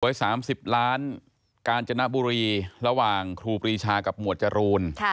๓๐ล้านกาญจนบุรีระหว่างครูปรีชากับหมวดจรูน